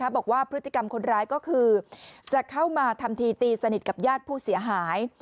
บอกว่าพฤติกรรมคนร้ายก็คือจะเข้ามาทำทีตีสนิทกับญาติผู้เสียหาย